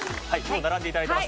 はい。